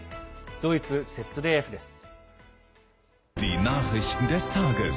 ドイツＺＤＦです。